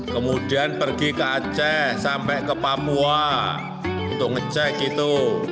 kemudian pergi ke aceh sampai ke papua untuk ngecek gitu